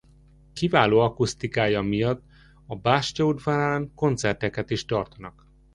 Kiváló akusztikája miatt a bástya udvarán koncerteket is tartanak.